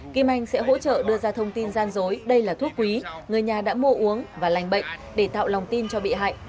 kim anh sẽ hỗ trợ đưa ra thông tin gian dối đây là thuốc quý người nhà đã mua uống và lành bệnh để tạo lòng tin cho bị hại